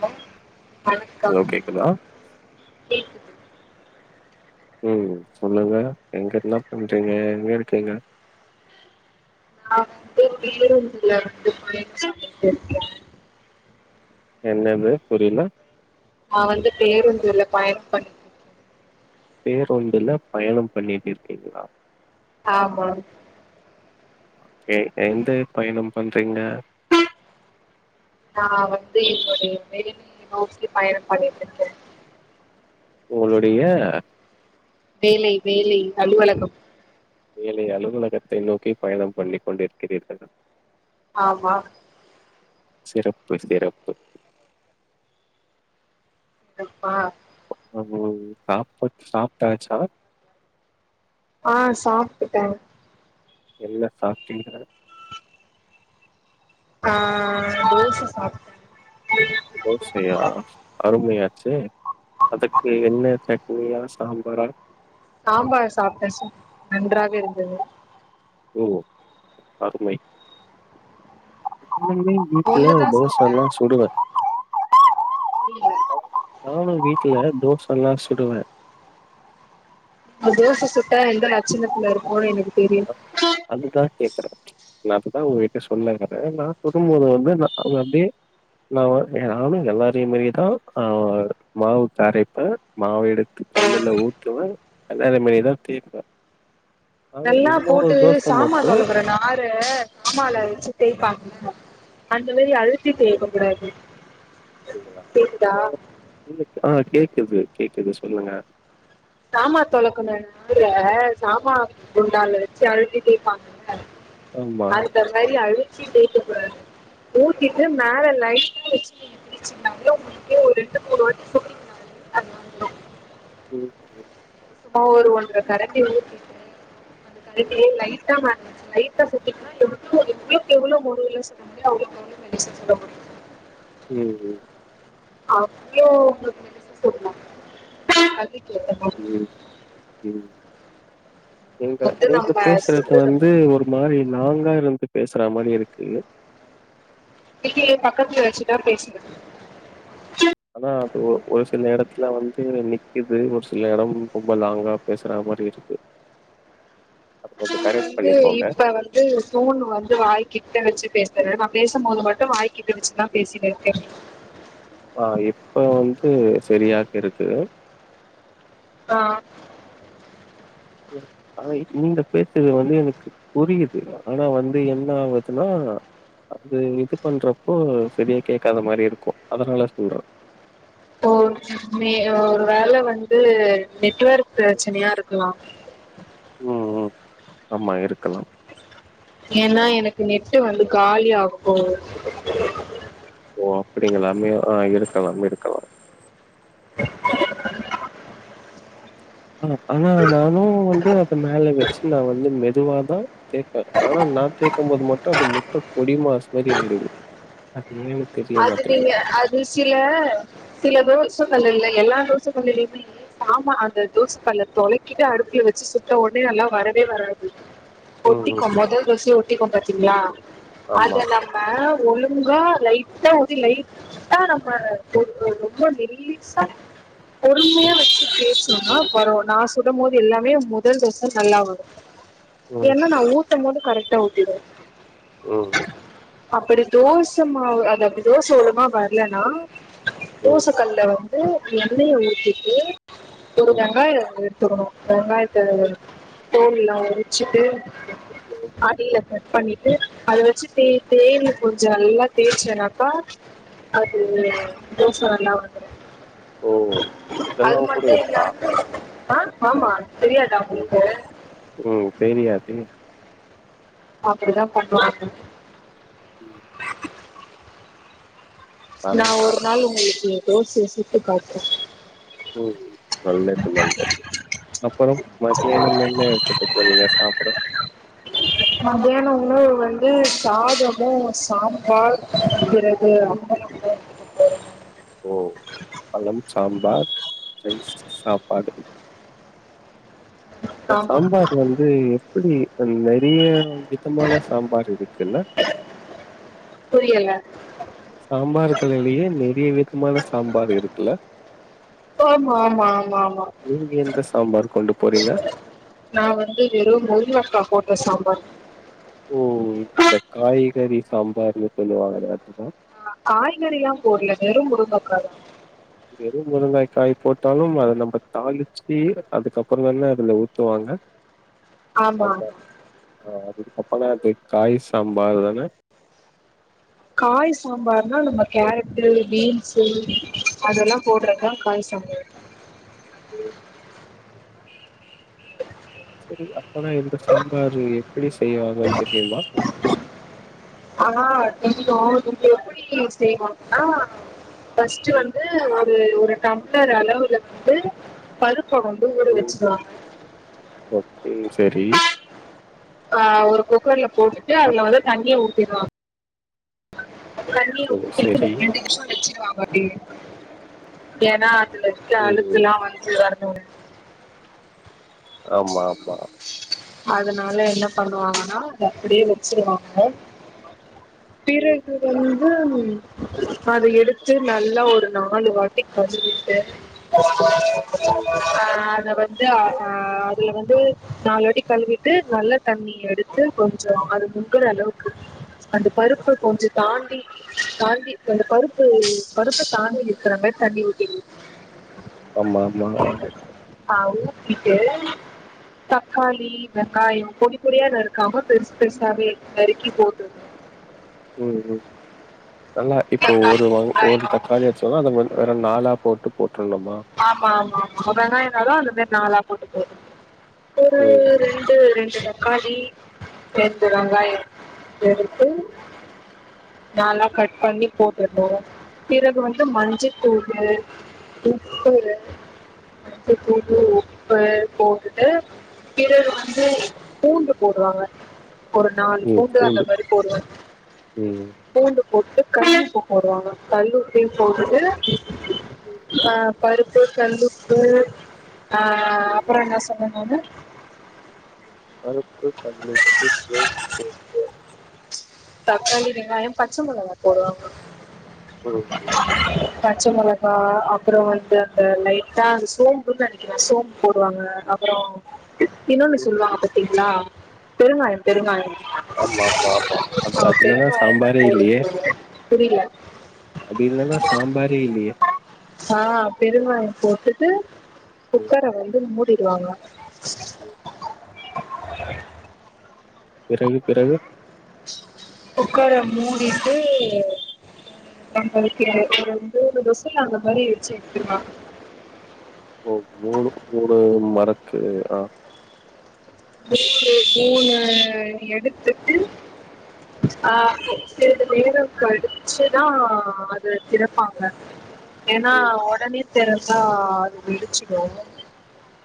Come hello வணக்கம் கேக்குதா கேக்குது ம் சொல்லுங்க எங்க ன்னா பண்றீங்க எங்கருக்கீங்க நா வந்து பில்லூந்துல வந்து போய்ச்சிக்கிட்டு இர்க்கே என்னவே புரிய்ல நா வந்து பேருந்துல பயண் பண்ணி பேரொந்துல பயணம் பண்ணிட்டு இர்க்கீங்ளா ஆமா எ எந்து பயணம் பண்றீங்க நா வந்து என்னோடிய மேடனி நோக்கி பயணம் பண்ணிட்ருக்கே உங்களுடிய வேலை வேலை அலுவலகம் ஏலை அலுவலகத்தை நோக்கி பயணம் பண்ணி கொண்டு இர்க்கிறீர்களா ஆமா சிறப்பு சிறப்பு றப்பா ஆமோவ் சாப்பட் சாப்ட்டாச்சா ஆ சாப்ட்டுட்ட என்ன சாப்ட்டீங்க ஆ தோச சாப்ட்ட தோசயா அருமையாச்சே அதுக்கு என்ன சட்னியா சாம்பாரா சாம்பார் சாப்ட்ட சூப் நன்றாக இருந்தது உ அருமை இன்னம்மே வீட்ல ஒண்ணுதா சாப்ட்டே தோசல்லா சுடுவ புரியல நானு வீட்ல தோசல்லா சுடுவ ஒரு தோசை சுட்டா எந்த லட்சணத்துல இருக்கும்னு எனக்கு தெரியும் நான்ட்டு தான் உங்ககிட்ட சொல்ல வறேன் நான் சொல்லும் போது வந்து நான் அப்படியே நான் நானும் எல்லாரையும் மாதிரிதான் ஆ மாவுக்கு அரைப்பேன் மாவை எடுத்து கல்லுல்ல ஊத்துவேன் எல்லாரையும் மாதிரிதான் தீ்ப்பேன் நல்லா போட்டு சாமான் துலைக்குற நார சாமால வச்சு தேய்ப்பாங்க அந்த மாதிரி அழுத்தி தேய்க்க கூடாது கு கேக்குதா [unintelligible] ஆ கேக்குது கேக்குது சொல்லுங்க சாமா துலைக்கற இதுல சாமா குண்டால வச்சு அழுத்தி தேய்ப்பாங்கல ஆமா அடுத்த கை [unintelligible] தரக்கி அழு ாரு ஊத்திட்டு மேறலை வச்சு நீங்க பிரடிச்சந்தா உங்களுக்கே ஒரு ரெண்டு மூணு வருட்டம் சொல்லீங்காங்க [unintelligible] ம் சும்மா ஒரு ஒன்றரை கரண்டி ஊத்திட்டேன் [unintelligible] ம் ட்டா எவளோ எவளவு எவ்ளோ முழுவுல சொல்ல முடியா அவவளவு அவ்வளவு நெச சொல்ல முடியும் [unintelligible] ம் ம் அவ்ளோ [unintelligible] சொமா ம் ம் அது நீங்க வந்து நீங்க நம்ம பேசுறது சொல்றத வந்து ஒரு மாதிரி நாங்காருந்து பேசுற மாரி இருக்கு இப்ப ஏன் பக்கத்துல வெச்சுதா பேசுறோ ஆனா அது ஒ-ஒரு சில எடத்துல வந்து நிக்கிது ஒரு சில எடம் ரொம்ப லாங்கா பேசுறா மாரி இருக்கு நா கொஞ்சம் கரெக்ட் வந்து பண்ணிக்கோங்க. இப்ப வந்து போன்னு வந்து வாய்கிட்ட வெச்சு பேஸ் [unintelligible] நா பேசும்போது மட்டும் வாய்கிட்ட வெச்சுதா பேசிட்ருக்கே ஆஹ் இப்ப வந்து சரியாக்கிருக்கு ஆஹ் ஆஹ் நீ நீங்க பேச்சுறது வந்து எனக்கு புரியுது ஆனா வந்து என்ன ஆவுதுன்னா அது இது பண்றப்போ சரியா கேட்காத மாரி இருக்கு அதனால சொல்றே ஓ மே ஒரு வேல வந்து நெட்வொர்க் பிரச்சனையா இருக்கலா அ அ ஆமா இருக்கலாம் ஏனா எனக்கு நெட்டு வந்து காலி ஆகபோகுது ஓ அப்டிங்களா மே ஆஹ் இருக்கலாம் இருக்கலாம் [inaudible] அஹ் ஆனா நானு [unintelligible] மேல வெச்சு நா வந்து மெதுவாதா கேப்பே ஆனா நான் கேக்கும் போது மட்டு அது முட்ட பொடிமாஸ் மெரி ஆயிடுது அப்டியோ அது நீங்க அது சில சில தோச கல்லுல்ல எல்லா தோச சோ எளிமையாக, சாமா அந்த தோசு கல்ல தொலைக்கிட்டு அடுப்புல வெச்சி சுட்ட உட்னே நல்லா வரவே வராது ம், ஓட்டிக்கோ ம். மொத தோசயோ ஓட்டிக்கோ பா த்தீங்களா அத ஆமா. நம்ம ஒலுங்கா லைட்டா ஊத் த்தி லைட்டா நம்ம ஊத்தணு ரொம்ப மெல்லிசா பொறுமையா ம், வெச்சு தேச் த்துன்னா பரவ்வும், நா சுடும்போது எல்லாமே முதல் தோச நல்லா வரு ம், ஏன்னா நா ஊத்தும் போது கர்க்ட் ட்டா ஊத்திருவோ ம் ம் அப்படி தோச மாவு அத அப்டி தோச ஒலுங்கா வரலேன்னா ம், ம், தோச கல்ல வந் து எண்ணெய்ய ஊத்திட்டு ஒரு ம், வெங்காயோ ஒன்னு எடுத் துக்கணு வெங்காயத்த தோல்லா உரிச்சிட்டு, அடியில கட் பண்ணிட்டு அத வெச்சு ம். தேய் தேய்ன்னு கொஞ்சோ நல்லா தேய்ச்சனாக் கா அது ம். தோச நல்லா வந்துரூ ஓ! அது இதெல்லாம் கூட மட்டு இருக்கா? இல்லாம ஆஹ் ஆமா தெரியாதா ம். உங்களுக்கு ம். தெரியாதே! அப்டிதா பண்ணுவாங்க உம் நா ஒரு நாள் உங்களுக்கு தோசய சுட்டு காட்ற ம் பல்லுக்கு நல்லது புறம் மத்தியானம் மென்ன எடுத்துட்டு போறீங்க சாப்பிட மத்யான உணவு வந்து சாதமு சாம்பார் அது ம். ஓ பழம் சாம்பார் ரைஸ் சாப்பாடு த ஆமா சாம்பார் வந்து எப்டி ந்ப நெறய விதமான சாம்பார் இருக்குன்னா புரியல சாம்பார்களிலயே நெறைய வித [unintelligible] சாம்பார் இருக்குல்ல ஆமா ஆமா ஆமா ஆமா நீங்க எந்த சாம்பார் கொண்டு போறீங்க நா வந்து வெறு முருங்கக்கா போட்ட சாம்பார் ஓ இந்த காய்கறி சாம்பார்னு சொல்லுவாங்களே அதுவா ஆஹ் காய்கறி எல்லா போடல வெறு முருங்கக்காதா வெறு முருங்கக்காய் போட்டாலு அத நம்ம தாளிச்சு அதுக்கப்புற தானே அதுல ஊத்துவாங்க ஆமா ஆஹ் [unintelligible] காய் சாம்பார் தான காய் சாம்பார்னா நம்ம கேரட்டு பீன்ஸு அதெல்லா போடுறதுதா காய் சாம்பார் [unintelligible] புரியப் ஆன இந்த சாம்பார் எப்டி செய்வாங்கன்னு தெரியுமா ஆஹ் தெரியு இத எப்டி செய்வாங்கனா ஃப்ஸ்ட் ம் வந்து ஒரு ஒரு தமிழர் அளவுல வந்து [unintelligible] இப்ப கொண்டு கூட வச்சுக்கால ரி செரி ஆஹ் ஒரு குக்கர்ல போட்டுட்டு அதுல வந்து தண்ணியே ஊத்திருவாங்க [unintelligible] ம் சரி ரெண்டு நிமிஷ வெச்சிருவாங்க அப்டியே ஏனா துல இரு ம் அனுத்துல்லா வந்து வரேன் [inaudible] ஆமா ஆமா அதனால என்ன பண்ணுவாங்கன்னா அப்டியே வச்சிருவாங்க [unintelligible] ம், உ அத எடுத்து நல்லா ஒரு நாலு வாட்டி கழிவிட்டு ஆ ம், அத வந்து ஆ அதுல வந்து நால அடி கழுவிட்டு நல்ல தண்ணிய எடுத்து கொஞ்சம் அது முங்குற அளவுக்கு அந்த பருப்ப ம். கொஞ்சம் தாண்டி தாண்டி ஆ உங்க பருப்பு பருப்பு தாண்டி நிக்கிற மாரி தண்ணி ஊத்திடனும் ஆமா ஆமா ஆ ஊத்திட்டு தக்காளி வெங்காயம் பொடி பொடியா நறுக்காம பெருசு பெருசாவே நறுக்கி போற்றணும் ம் ம் நல்லா இப்போ தக்காளி ஒரு வா ஒரு வெங்காயம் தக்காளிவாச்சுவா அத வேற நாலா போட்டு போட் ஆமா ஆமா ஆமா வேணா ஏனாலும் அந்த மாரி நாலா போட்டுக்கு ஒரு ம், ரெண்டு ரெண் தக்காளி ரெண்டு ம். வெங்காயம் எடுத்து நாலா கட் பண்ணி போட்டுணும் பிறகு வந்து மஞ்சதூள் தூளு மஞ்ச தூள் உப்பு போட்டுட்டு பிறகு வந்து பூண்டு போடுவாங்க ஒரு நாலு பூண்டு அந்த மாரி போடுவன் ம். பூண்டு போட்டு கல்லுப்பு போடுவாங்க கல்லுப்பையும் போட்டுட்டு ஆ பருப்பு கல்லுப்பு ஆ ம். அப்புறம் என்ன சொன்னன் நானு பருப்பு கல்லுப்பு [unintelligible] தக்காளி வெங்காயம் பச்ச மெளகா போடுவாங்க ம் ம் பச்ச மெளகாய அப்புறம் வந்து அந்த லைட்டா சோம்புன்னு நினைக்கர சோம்பு போடுவாங்க அப்புறம் இன்னொன்னு ம். சொல்லுவாங்க பத்தி [unintelligible] பெருங்காயம் பெருங்காயம் ஆமா ஆமா ஆமா அது ஆ அது இல்லன்னா பெருங்காயம் சாம்பாரே இல்லையே! போடுவாங்க புரியல அது இல்லனா சாம்பாரே இல்லயே ஆஹ் பெருங்காய போட்டுட்டு ம், குக்கர வந்து மூ டிடுவாங்க ம். பிறகு பிறகு உக்கர மூடிட்டு நம்ள்க்கு ஒரு மூணு [unintelligible] அந்த மாரி வெச்சு வித்துருவாங்க ஓ மூணு மூணு மரக்கு ஆஹ் மூணு மூணு எ எடுத்துட்டு ம், ஆஹ் சிறிது நேரம் கழிச்சுதா அத திறப்பாங்க ஏனா ம். உடனே திறந்தா அது வெடிச்சிடு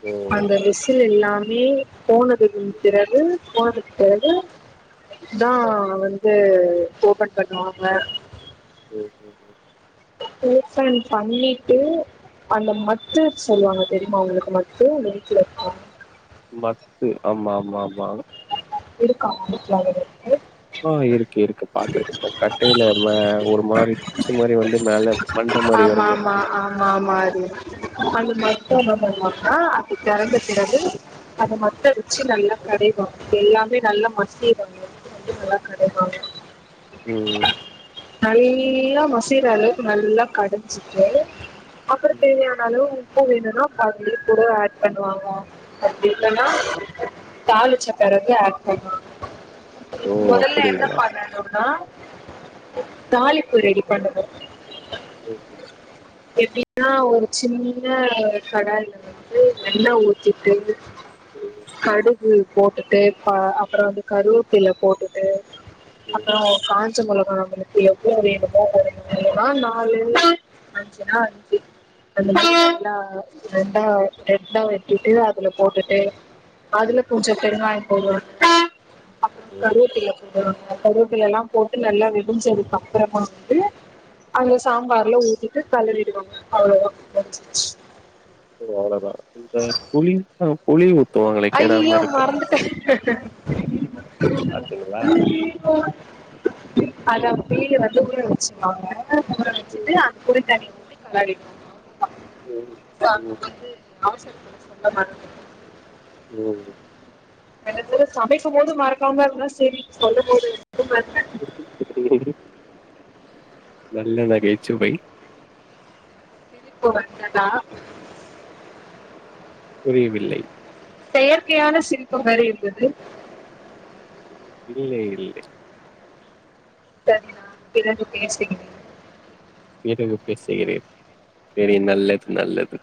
ஓ! அந்த விசில் இல்லாம ஒல்லியே போனதுன் பிறகு போனதுக்கு பிறகுதா வந்து ஓப்பன் பண்ணுவாங்க ம் உஹம் உஹம் பேர்சன் பண்ணிட்டு அந்த மத்து சொல்லுவாங்க தெரியுமா உங்களுக்கு மத்து வீட்ல வீட்ல இருக்க மத்து ஆமாமாமா இருக்கா வீட்ல உங்களுக்கு ஓ இருக்கு இருக்கு பாத்திருக்க கட்டைல ஒரு மாரி குச்சி மாரி வந்து மேல மண்ட மாரி வருமே. ஆமாமா ஆம்மா மாரி அந்த மாரி தா [unintelligible] ஆ அப்டி [unintelligible] அது மட்டு வச்சு நல்லா கடை [unintelligible] எல்லாமே நல்லா [unintelligible] ம் நல்லா மசீரவு நல்லா கடைஞ்சிட்டு அப்றோ ம். தேவயான அளவு உப்பு வேணுனா [unintelligible] கூடவே ஏட் பண்ணுவாங்க ம். அப்டியில்லேனா தாலுச்சு தரத ஏட் பண்ணு ஓ! முதல்ல என்ன அப்படிங்களா? பண்ணனுனா தாளிப்பு ரெடி பண்ணனு [inaudible] எப்டின்னா ஒரு சின்ன கடாயல வந்து வெண்ணெ ஊத்திட்டு ம். கடுக் ம் போட்டுட்டு பா அப்றோ வந்து கருவேப்பில போட்டுட்டு ம். அப்றோ காஞ் ச்சமிளகா அந்த மார் எவ்ளோ வேணுமோ [unintelligible] நாலு அஞ்சுனா அஞ்சு அந்த [inaudible] லா ரெண்டா ரெண்டா வெட்டிட்டு அதுல போட்டுட்டு அதுல ம். கொஞ்ச பெருங்காயம் [inaudible] அப்றோ கருவேப்பில போடணு அ கருவேப்பிலல்லா போட்டு நல்லா வெடுஞ்சதுக் கப்றமா வந்து அந்த சாம்பார்ல ஊத்திட்டு கலறிடுவாங்க அவ்ளோதா முடிஞ்சிச்சி ஓ அவ்ளோதா இந்த புளி ஹா புளிவுத் அய்யிய்யோ மறந்துட்ட பாத்தீங்களா? அத அப்பயே வந்து ஊற வச்சிருவாங்க அ ஊற ம். வச்சுட்டு அது கூட தனி நரிக் ம். ம். சாகும் போது அவசரத்துல சொல்ல மறந்துட்ட ம்ம் ரெண்டு பேரூ மைக்கும் போது மறக்காமருந்தா செரி சொல்லு போது மட்டும் மறந்தே [inaudible] நல்ல நகைச்சுவை சிரிப்பு வந்ததா புரியவில்லை செயற்கையான சிரிப்பு மாரி இருந்துது இல்லை இல்லை சரி நான் பிறகு பேசுகிறேன் பிறகு பேசுகிறீர் செரி நல்லது நல்லது